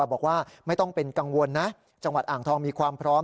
บอกว่าไม่ต้องเป็นกังวลนะจังหวัดอ่างทองมีความพร้อม